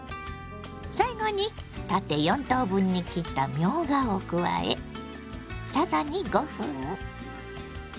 最後に縦４等分に切ったみょうがを加え更に５分。